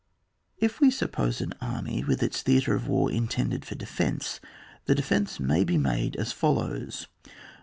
If we suppose an army with its theatre of war intended for defence, the defence may be made as follows : 1.